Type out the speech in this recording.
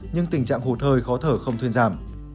nhưng tình trạng hụt hơi khó thở không thuyên giảm